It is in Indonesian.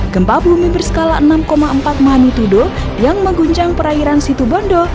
gempa bumi berskala enam empat mahani tuduh yang mengguncang perairan situ bondo